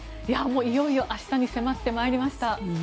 いよいよ明日に迫ってまいりました。